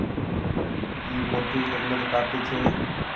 اي موٽي جنرل ڪآپي ڇي۔